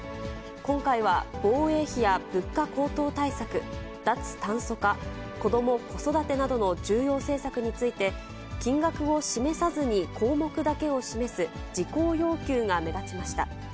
今回は防衛費や物価高騰対策、脱炭素化、子ども・子育てなどの重要政策について、金額を示さずに項目だけを示す、事項要求が目立ちました。